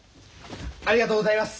ありがとうございます。